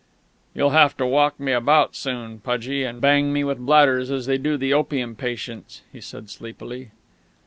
"You'll have to walk me about soon, Pudgie, and bang me with bladders, as they do the opium patients," he said sleepily.